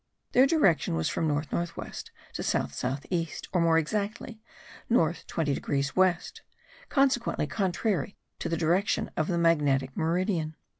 Their direction was from north north west to south south east, or more exactly, north 20 degrees west, consequently contrary to the direction of the magnetic meridian.